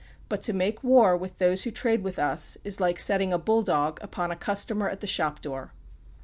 But to make war with those who trade with us is like setting a bull dog upon a customer at the shop door."